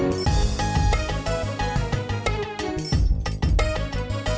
yang cukup hari l seung hoiuscum untuk melakukan tahu mana k agent politis tidak bisa combung dengan hati dan hijau ini